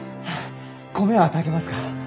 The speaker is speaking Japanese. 米は炊けますか？